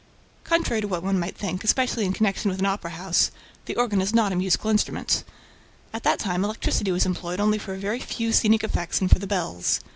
Contrary to what one might think, especially in connection with an opera house, the "organ" is not a musical instrument. At that time, electricity was employed only for a very few scenic effects and for the bells.